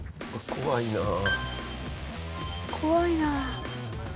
怖いなあ。